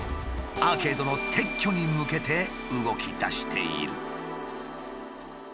アーケードの撤去に向けて動きだしている。